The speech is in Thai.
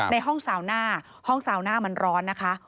ในห้องซาวหน้าห้องซาวหน้ามันร้อนนะคะ